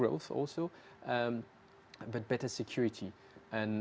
saya masih sangat bersemangat